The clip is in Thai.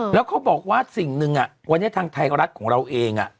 แล้วเขาบอกว่าสิ่งหนึ่งวันนี้ทางไทยรัฐของเราเอง